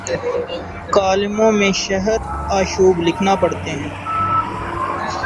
کالموں میں شہر آشوب لکھنا پڑتے ہیں۔